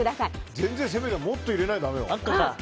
全然もっと入れないとだめよ。